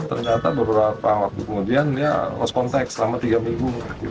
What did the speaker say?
ternyata beberapa waktu kemudian dia lost contact selama tiga minggu